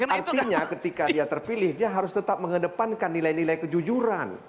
artinya ketika dia terpilih dia harus tetap mengedepankan nilai nilai kejujuran